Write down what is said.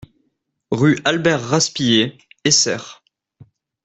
Rue Albert Raspiller, Essert